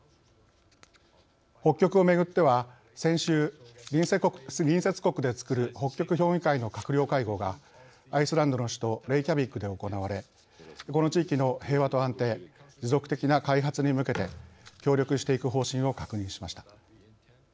北極をめぐっては先週、隣接国でつくる北極評議会の閣僚会合がアイスランドの首都レイキャビクで行われこの地域の平和と安定持続的な開発に向けて協力していく方針を確認しました。